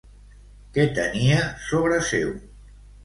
Què tenia sobre seu?